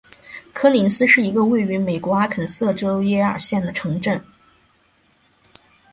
科林斯是一个位于美国阿肯色州耶尔县的城镇。